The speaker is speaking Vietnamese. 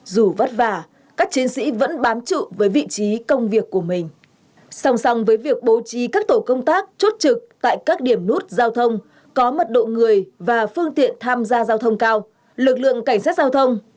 dù vất vả các chiến sĩ vẫn bám trụ với vị trí công an